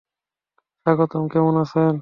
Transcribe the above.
স্বাগতম, কেমন আছেেন?